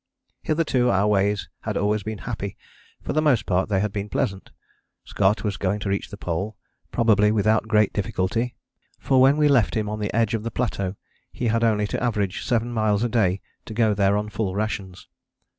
Hitherto our ways had always been happy: for the most part they had been pleasant. Scott was going to reach the Pole, probably without great difficulty, for when we left him on the edge of the plateau he had only to average seven miles a day to go there on full rations.